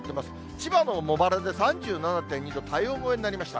千葉の茂原で３７．２度、体温超えになりました。